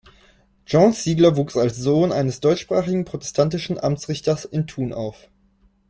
Jean Ziegler wuchs als Sohn eines deutschsprachigen protestantischen Amtsrichters in Thun auf.